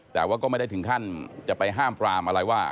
แต่ว่าก็ไม่ได้ถึงขั้นจะไปห้ามปรามอะไรว่า